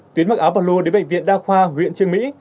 tuyến mặc áo và lua đến bệnh viện đa khoa huyện trương mỹ